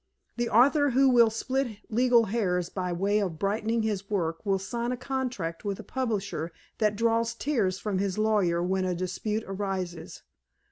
The author who will split legal hairs by way of brightening his work will sign a contract with a publisher that draws tears from his lawyer when a dispute arises.